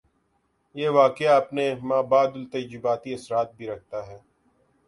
یہ واقعہ اپنے ما بعدالطبیعاتی اثرات بھی رکھتا ہے۔